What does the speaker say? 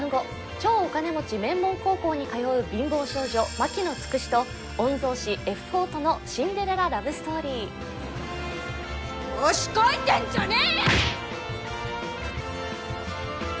超お金持ち名門高校に通う貧乏少女・牧野つくしと御曹司・Ｆ４とのシンデレララブストーリー調子こいてんじゃねえよ！